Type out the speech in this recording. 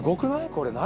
これ何？